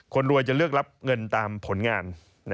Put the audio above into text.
คนรวยจะเลือกรับเงินตามผลงาน